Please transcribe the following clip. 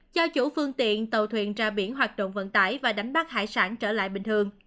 cho chủ phương tiện tàu thuyền ra biển hoạt động vận tải và đánh bắt hải sản trở lại bình thường